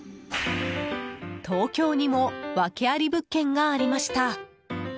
東京にも訳あり物件がありました。